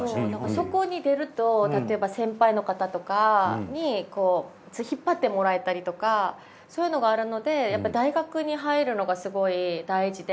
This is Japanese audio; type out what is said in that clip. そこに出るとたとえば先輩の方とかにこう引っ張ってもらえたりとかそういうのがあるのでやっぱり大学に入るのがすごい大事で。